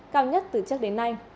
cao nhất từ trước đến nay